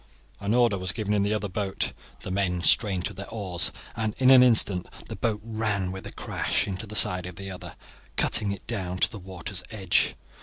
An order was given in the other boat, the men strained to their oars, and in an instant the boat ran with a crash into the side of the other, cutting it down to the water's edge.